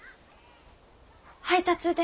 配達で。